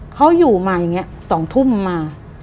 เขาอยู่มาอย่างนี้๒ทุ่มมา